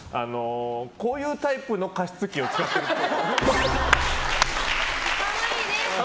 こういうタイプの加湿器を使ってるっぽい。